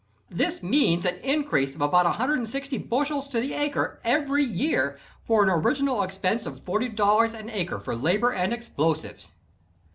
This means an increase of about 160 bushels to the acre, every year, for an original expense of $40 an acre for labor and explosives.